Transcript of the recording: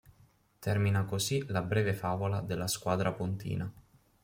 Termina così la breve favola della squadra pontina.